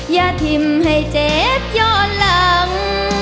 อย่าทิ้มให้เจ๊ย้อนหลัง